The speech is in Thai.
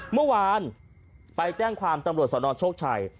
เมื่อวานไปแจ้งความตำรวจสนโชคชัย